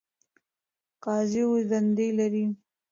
قاضی اووه دندې لري.